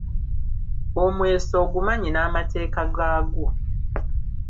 Omweso ogumanyi n'amateeka gaagwo.